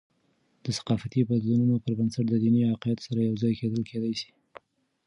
د ثقافتي بدلونونو پربنسټ، د دیني عقاید سره یوځای کیدل کېدي سي.